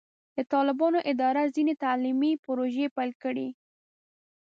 د طالبانو اداره ځینې تعلیمي پروژې پیل کړې.